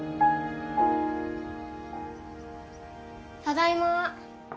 ただいま。